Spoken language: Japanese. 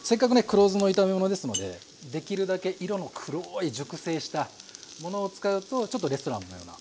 黒酢の炒め物ですのでできるだけ色の黒い熟成したものを使うとちょっとレストランのような。